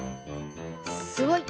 すごい！